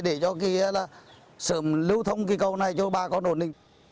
để cho cái là sớm lưu thông cái cầu này cho bà con ổn định